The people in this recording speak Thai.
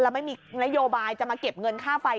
แล้วไม่มีนโยบายจะมาเก็บเงินค่าไฟ